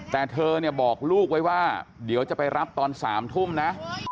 แต่เธอเนี่ยบอกลูกไว้ว่าเดี๋ยวจะไปรับตอน๓ทุ่มนะ